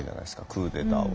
クーデターは。